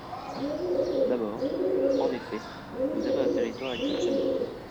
D’abord, en effet, vous avez un territoire exceptionnel.